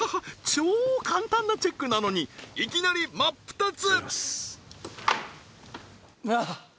超簡単なチェックなのにいきなり真っ二つ！